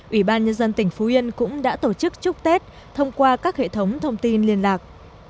ủy ban nhân dân tỉnh phú yên cũng đã tổ chức chúc tết thông qua các hệ thống thông tin liên lạc